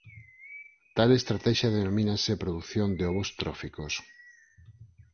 Tal estratexia denomínase produción de ovos tróficos.